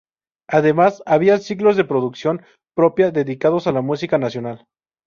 Además, había ciclos de producción propia dedicados a la música nacional.